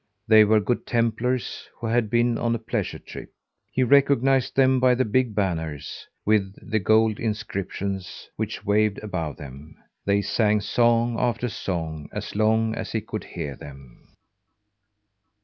They were Good Templars who had been on a pleasure trip. He recognized them by the big banners with the gold inscriptions which waved above them. They sang song after song as long as he could hear them.